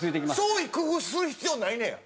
創意工夫する必要ないねや。